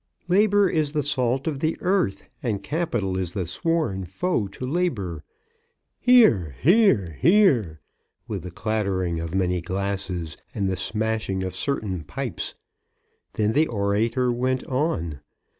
"Labour is the salt of the earth, and Capital is the sworn foe to Labour." Hear, hear, hear, with the clattering of many glasses, and the smashing of certain pipes! Then the orator went on.